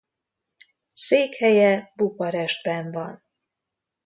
Székhelye Bukarestben van.